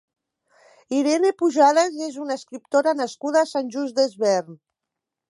Irene Pujadas és una escriptora nascuda a Sant Just Desvern.